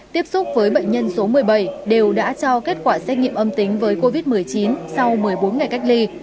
tiếp xúc với bệnh nhân số một mươi bảy đều đã cho kết quả xét nghiệm âm tính với covid một mươi chín sau một mươi bốn ngày cách ly